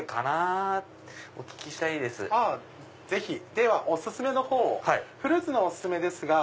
ではお薦めのほうをフルーツのお薦めですが。